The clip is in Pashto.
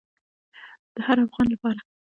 د هر افغان لپاره.